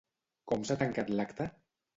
Com s'ha tancat l'acte?